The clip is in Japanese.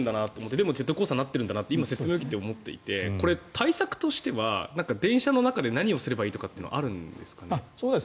でもジェットコースターになっているんだなと今、説明を受けて思っていてこれ、対策としては電車の中で何をすればいいとかあるんですか？